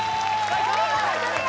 見事クリア！